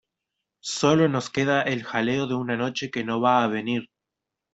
Sólo nos queda el jaleo de una noche que no va a venir.